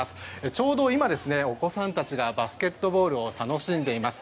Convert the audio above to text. ちょうど今お子さんたちがバスケットボールを楽しんでいます。